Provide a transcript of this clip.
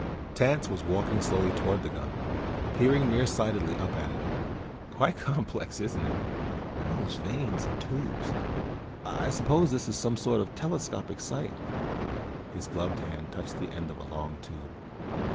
Tance was walking slowly toward the gun, peering nearsightedly up at it. "Quite complex, isn't it? All those vanes and tubes. I suppose this is some sort of a telescopic sight." His gloved hand touched the end of a long tube.